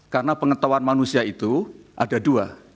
karena pengetahuan manusia itu ada dua